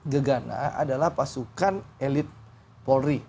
gegana adalah pasukan elit polri